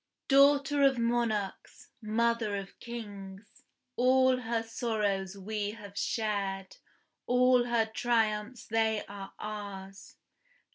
Daughter of monarchs, mother of kings; All her sorrows we have shared, All her triumphs they are ours.